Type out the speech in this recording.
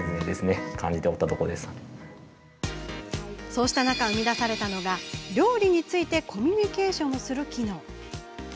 そして生み出されたのが料理についてコミュニケーションをする機能。